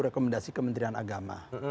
rekomendasi kementerian agama